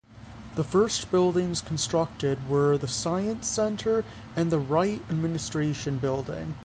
The first buildings constructed were the Science Center and the Wright Administration Building.